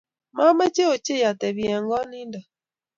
Mamechei ochei atebi eng koot nindo